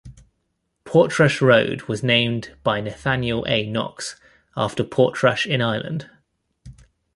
Portrush Road was named by Nathaniel A. Knox after Portrush in Ireland.